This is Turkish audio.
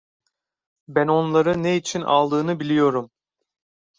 Ben onları ne için aldığını biliyorum.